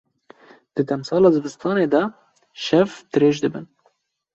Di demsala zivistanê de, şev dirêj dibin.